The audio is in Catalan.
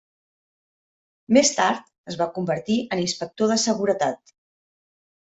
Més tard es va convertir en inspector de seguretat.